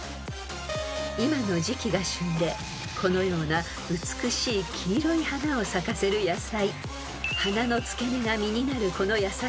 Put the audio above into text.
［今の時季が旬でこのような美しい黄色い花を咲かせる野菜］